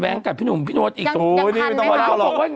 แต่มันแว้งกับพี่หนุ่มมันรู้สึกจงทันไหมครับ